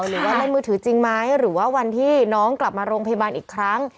หรือว่าเล่นมือถือจริงไหมหรือว่าวันที่น้องกลับมาโรงพยาบาลอีกครั้ง